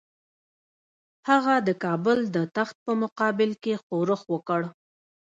هغه د کابل د تخت په مقابل کې ښورښ وکړ.